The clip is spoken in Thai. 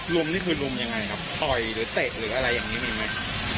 นี่คือลุมยังไงครับต่อยหรือเตะหรืออะไรอย่างนี้มีไหม